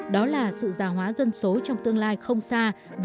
đó là sự già hóa dân số trong tương lai không xa